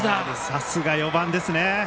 さすが４番ですね。